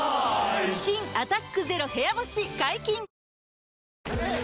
新「アタックＺＥＲＯ部屋干し」解禁‼ヘイ！